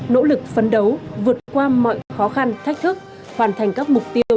nỗ lực phấn đấu vượt qua mọi khó khăn thách thức hoàn thành các mục tiêu